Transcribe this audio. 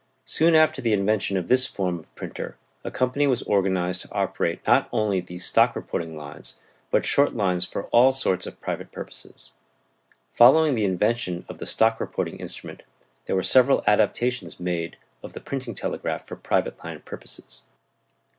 Soon after the invention of this form of printer a company was organized to operate not only these stock reporting lines, but short lines for all sorts of private purposes. Following the invention of the stock reporting instrument there were several adaptations made of the printing telegraph for private line purposes.